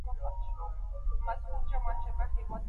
ښه زړه سکون لري